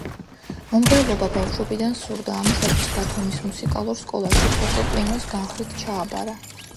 მომღერლობა ბავშვობიდან სურდა, ამისათვის ბათუმის მუსიკალურ სკოლაში ფორტეპიანოს განხრით ჩააბარა.